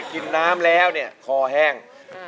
กินน้ำแล้วเนี่ยคอแห้ง